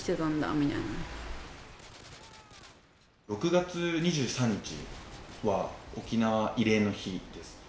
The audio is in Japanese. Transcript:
６月２３日は沖縄慰霊の日です。